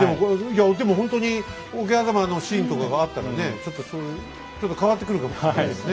でもほんとに桶狭間のシーンとかがあったらねちょっと変わってくるかもしれないですね。